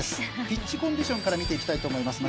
ピッチコンディションから見ていきたいと思います。